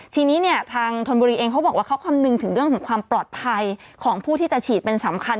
ทีนี้เนี่ยทางธนบุรีเองเขาบอกว่าเขาคำนึงถึงเรื่องของความปลอดภัยของผู้ที่จะฉีดเป็นสำคัญ